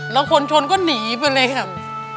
แล้วคนชนก็หนีไปเลยครับ